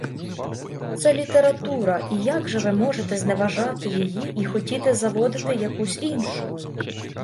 Це література, і як же ви можете зневажати її і хотіти заводити якусь іншу?